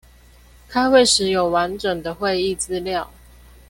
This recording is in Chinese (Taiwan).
開會時有完整的會議資料